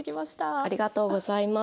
ありがとうございます。